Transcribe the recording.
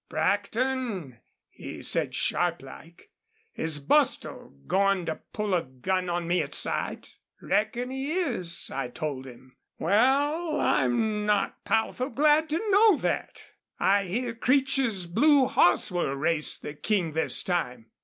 'Brackton,' he said, sharp like, 'is Bostil goin' to pull a gun on me at sight?' 'Reckon he is,' I told him. 'Wal, I'm not powerful glad to know thet.... I hear Creech's blue hoss will race the King this time.